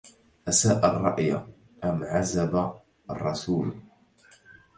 أساء الرأي أم عزب الرسول